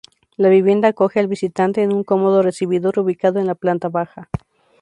La vivienda acoge al visitante en un cómodo recibidor ubicado en la planta baja.